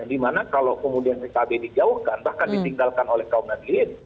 dimana kalau kemudian pkb dijauhkan bahkan ditinggalkan oleh kaum nadilin